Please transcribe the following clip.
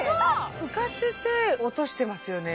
浮かせて落としてますよね